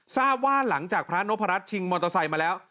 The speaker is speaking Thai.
ทราบว่าหลังจากพระนพรัชชิงมอเตอร์ไซค์มาแล้ว